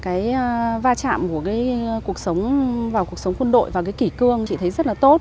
cái va chạm của cuộc sống quân đội và cái kỷ cương chỉ thấy rất là tốt